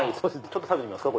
ちょっと食べてみますか？